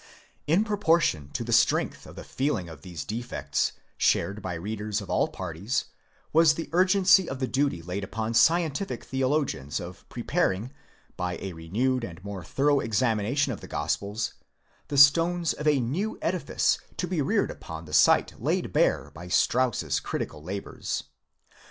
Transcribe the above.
In proportion to the strength of the feeling of these defects, shared by readers of all parties, was the urgency of the duty laid upon scientific theolo gians of preparing, by a renewed and more thorough examination of the Gospels, the stones of a new edifice to be reared upon the site laid bare by Strauss's critical labours.